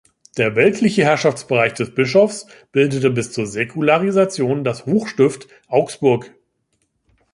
Der weltliche Herrschaftsbereich des Bischofs bildete bis zur Säkularisation das Hochstift Augsburg.